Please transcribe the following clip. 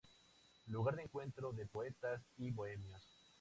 lugar de encuentro de poetas y bohemios